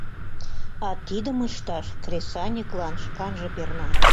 А тидым ышташ кресаньыклан шканже перна.